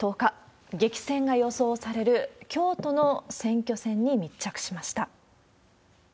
激戦が予想される京都の選挙戦に密着しました。